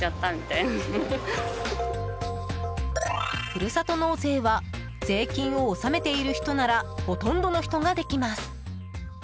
ふるさと納税は税金を納めている人ならほとんどの人ができます。